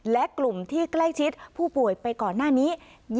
และกลุ่มที่ใกล้ชิดผู้ป่วยไปก่อนหน้านี้